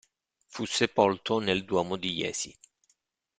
Fu sepolto nel Duomo di Jesi.